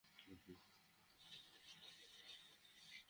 যেমন করে একা একটা সূর্য একই সময়ে সারা বিশ্বের বিভিন্ন নদীর পানি শুষে নেয়।